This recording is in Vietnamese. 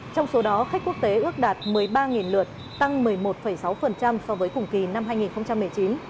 trong số đó khách quốc tế ước đạt một mươi ba lượt tăng một mươi một sáu so với cùng kỳ năm hai nghìn một mươi chín